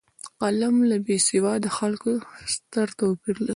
قلم له بېسواده خلکو ستر توپیر لري